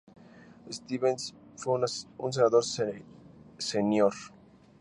Stevens fue un senador senior.